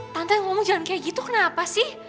tante ngomong jalan kayak gitu kenapa sih